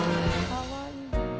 かわいい。